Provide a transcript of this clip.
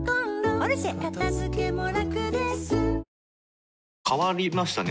２１変わりましたね。